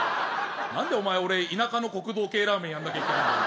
何で俺、田舎の国道系ラーメンやらなきゃいけないの。